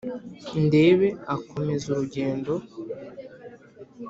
ndebe akomeza urugendo